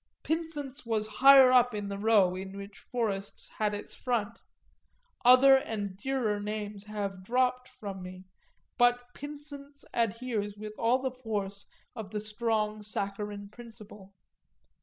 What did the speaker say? Pynsent's was higher up in the row in which Forest's had its front other and dearer names have dropped from me, but Pynsent's adheres with all the force of the strong saccharine principle.